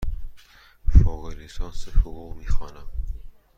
فوق لیسانس حقوق می خوانم.